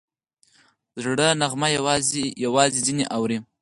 د زړه نغمه یوازې ځینې اوري